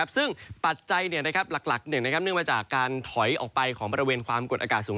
ซึ่งปัจจัยหลักเนื่องมาจากการถอยออกไปของบริเวณความกดอากาศสูง